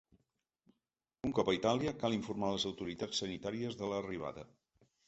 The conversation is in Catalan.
Un cop a Itàlia, cal informar les autoritats sanitàries de l’arribada.